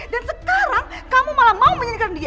dan sekarang kamu malah mau menyanyikan dia